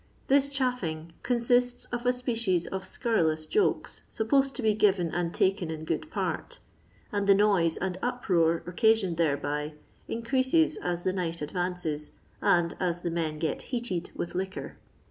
This " chaffing " consists of a species of scurrilous jokes supposed to be given and taken in good part, and the noise and uproar occasioned thereby increases as the night advances, and aa the men get heated with liquor.